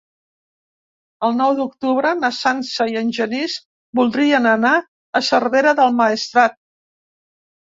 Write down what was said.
El nou d'octubre na Sança i en Genís voldrien anar a Cervera del Maestrat.